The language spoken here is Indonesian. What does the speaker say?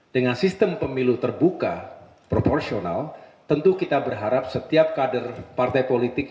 dengan sistem pemilu terbuka proporsional tentu kita berharap setiap kader partai politik